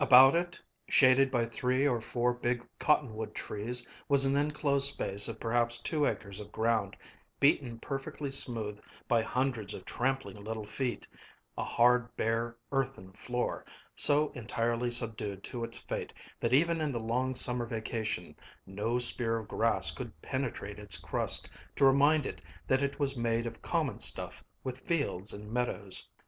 About it, shaded by three or four big cottonwood trees, was an inclosed space of perhaps two acres of ground, beaten perfectly smooth by hundreds of trampling little feet, a hard, bare earthen floor, so entirely subdued to its fate that even in the long summer vacation no spear of grass could penetrate its crust to remind it that it was made of common stuff with fields and meadows.